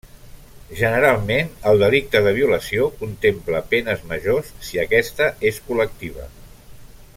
Generalment, el delicte de violació contempla penes majors si aquesta és col·lectiva.